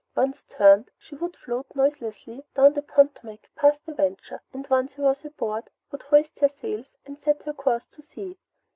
Once turned, she would float noiselessly down the Potomac past the Venture, and once he was aboard, would hoist her sails and set her course to sea.